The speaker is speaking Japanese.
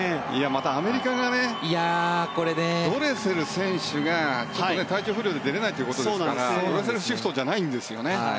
またアメリカドレセル選手が、ちょっと体調不良で出れないということでドレセルシフトじゃないんですよね。